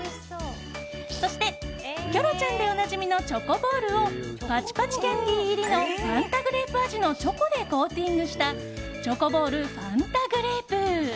そして、キョロちゃんでおなじみのチョコボールをパチパチキャンディー入りのファンタグレープ味のチョコでコーティングしたチョコボールファンタグレープ。